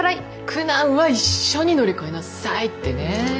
苦難は一緒に乗り越えなさいってね。